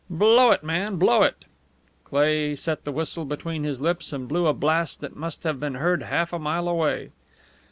"Blow it, man, blow it!" Cleigh set the whistle between his lips and blew a blast that must have been heard half a mile away.